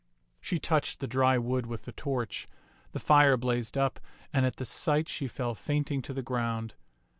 She touched the dry wood with the torch; the fire blazed up, and at the sight she fell fainting to the ground.